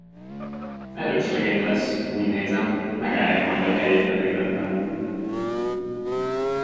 Erős legény lesz, úgy nézem, megállja majd a helyét az életben.